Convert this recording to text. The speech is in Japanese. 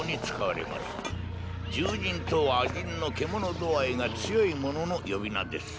獣人とは亜人の獣度合いが強い者の呼び名です。